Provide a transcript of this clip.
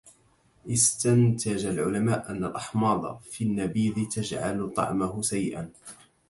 إستنتج العلماء أن الأحماض في النبيذ تجعل طعمه سيئا.